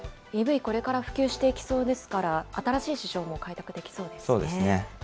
ＥＶ、これから普及していきそうですから、新しい市場も開拓できそうですね。